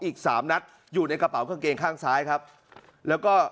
อีกสามนัดอยู่ในกระเป๋ากางเกงข้างซ้ายครับแล้วก็